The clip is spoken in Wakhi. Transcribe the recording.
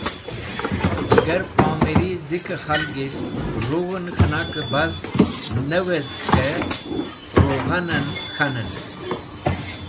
Digar pomẽri zikẽ khalgisht rug̃hẽn k̃hẽnakẽ bas ne wezg k̃hẽ rughanẽn k̃hanẽn